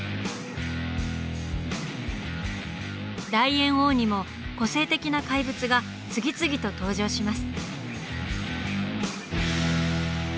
「大猿王」にも個性的な怪物が次々と登場します。